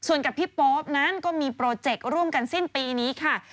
ส่วนกับพี่โป๊ปนั้นก็มีโปรเจกต์ร่วมกันสิ้นปีนี้ค่ะ